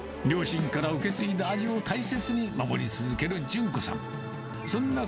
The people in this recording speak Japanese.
両親から受け継いだ味を大切に守り続ける順子さん。